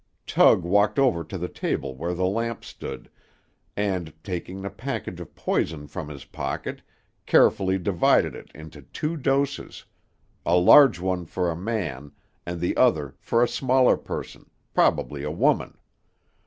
Tug walked over to the table where the lamp stood, and, taking the package of poison from his pocket, carefully divided it into two doses; a large one for a man, and the other for a smaller person, probably a woman.